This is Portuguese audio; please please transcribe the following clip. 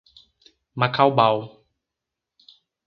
Macaubal